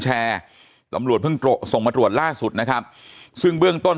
แชร์ตำรวจเพิ่งส่งมาตรวจล่าสุดนะครับซึ่งเบื้องต้น